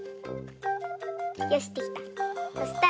よしできた。